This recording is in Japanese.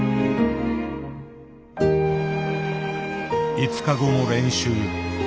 ５日後の練習。